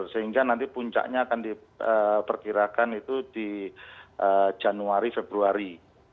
sehingga nanti puncaknya akan diperkirakan itu di januari februari